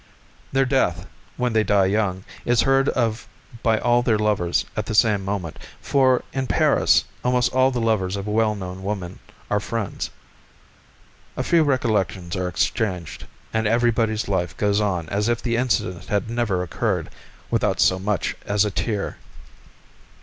Their death, when they die young, is heard of by all their lovers at the same moment, for in Paris almost all the lovers of a well known woman are friends. A few recollections are exchanged, and everybody's life goes on as if the incident had never occurred, without so much as a tear.